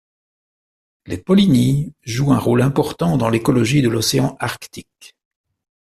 Les polynies jouent un rôle important dans l'écologie de l'océan Arctique.